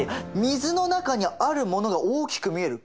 水の中にあるものが大きく見える。